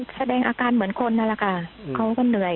แสดงอาการเหมือนคนนั่นแหละค่ะเขาก็เหนื่อย